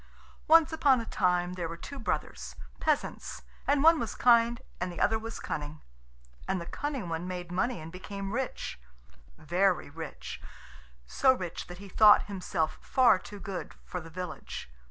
Once upon a time there were two brothers, peasants, and one was kind and the other was cunning. And the cunning one made money and became rich very rich so rich that he thought himself far too good for the village.